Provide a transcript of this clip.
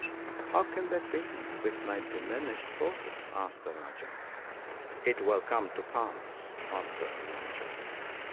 " How can that be, with my diminished forces ?" asked the Rajah. " It will come to pass !" answered the Vulture.